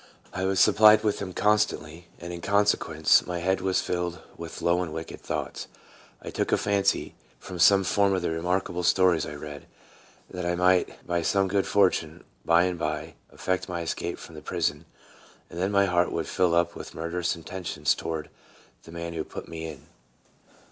I was supplied with them constantly, and, in consequence, my head was filled with low and wicked thoughts. I took a fancy, from some of the remarkable stories I read, that I might by some good fortune, by and by, effect my escape from the prison, and then my heart would fill up with mur derous intentions toward the man who put me in.